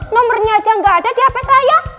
nomernya aja gak ada di hape saya